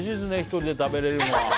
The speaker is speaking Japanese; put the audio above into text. １人で食べれるのは。